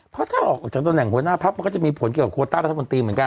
เพราะถ้าออกจากตำแหน่งหัวหน้าพักมันก็จะมีผลเกี่ยวกับโคต้ารัฐมนตรีเหมือนกัน